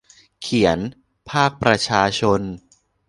เขียน :'ภาคประชาชน'